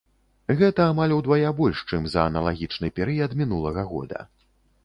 Гэта амаль удвая больш, чым за аналагічны перыяд мінулага года.